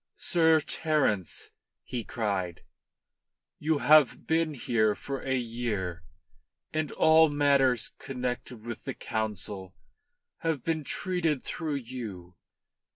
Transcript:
"Sir Terence," he cried, "you have been here for a year, and all matters connected with the Council have been treated through you.